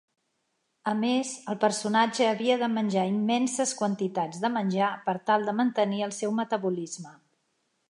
A més, el personatge havia de menjar immenses quantitats de menjar per tal de mantenir el seu metabolisme.